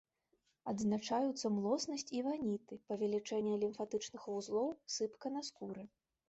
Адзначаюцца млоснасць і ваніты, павелічэнне лімфатычных вузлоў, сыпка на скуры.